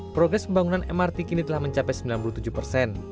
progres pembangunan mrt kini telah mencapai sembilan puluh tujuh persen